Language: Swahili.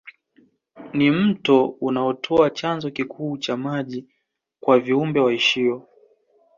Ni mto unaotoa chanzo kikuu cha maji kwa viumbe waishio